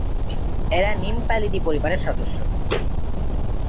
এরা নিমফ্যালিডি পরিবারের সদস্য।